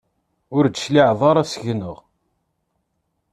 Ur d-tecliɛeḍ ara seg-neɣ.